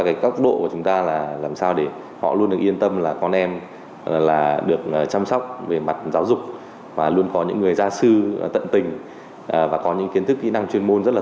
các độ của chúng ta là làm sao để họ luôn được yên tâm là con em được chăm sóc về mặt giáo dục và luôn có những người gia sư tận tình